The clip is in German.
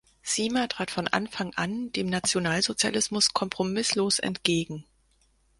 Siemer trat von Anfang an dem Nationalsozialismus kompromisslos entgegen.